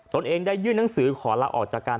ตนเองยื่นหนังสือขอละออกจากการ